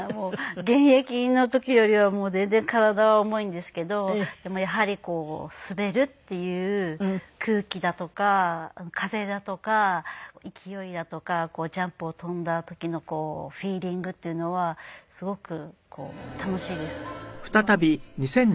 現役の時よりは全然体は重いんですけどでもやはりこう滑るっていう空気だとか風だとか勢いだとかこうジャンプを跳んだ時のフィーリングっていうのはすごく楽しいです。